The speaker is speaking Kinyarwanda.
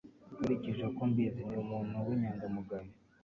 Nkurikije uko mbizi, ni umuntu w'inyangamugayo.